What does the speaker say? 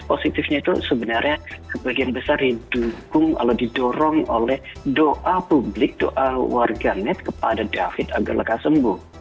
positifnya itu sebenarnya sebagian besar didukung atau didorong oleh doa publik doa warganet kepada david agar lekas sambu